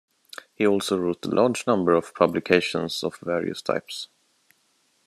He also wrote a large number of publications of various types.